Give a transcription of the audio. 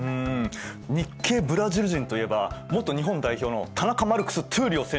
日系ブラジル人といえば元日本代表の田中マルクス闘莉王選手！